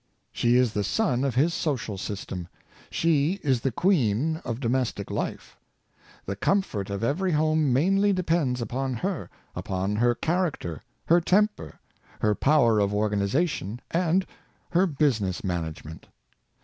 She is the sun of his social system. She is the queen of domestic life. The comfort of every home mainly depends upon her — upon her character, her temper, her power of organization, and her business management.